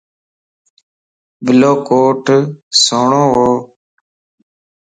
بلو ڪوٽ سھڻوو